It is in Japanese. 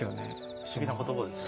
不思議な言葉ですね。